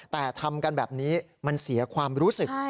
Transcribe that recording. แต่ทำกันแบบนี้มันเสียความรู้สึก